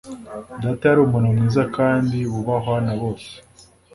Data yari umuntu mwiza kandi wubahwa na bose